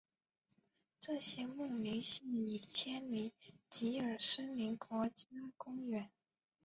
这些牧民现已迁离吉尔森林国家公园。